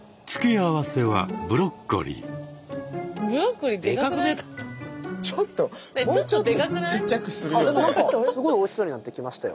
あっでも何かすごいおいしそうになってきましたよ。